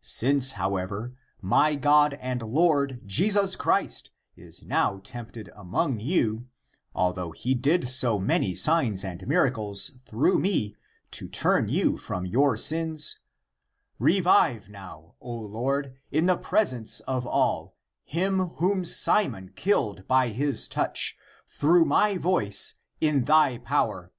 Since, however, my God and Lord Jesus Christ is now tempted among you, although he did so many signs and miracles through me to turn you from your sins, revive now, O Lord, in the presence of all, him whom Simon killed by his touch, through my voice in thy power."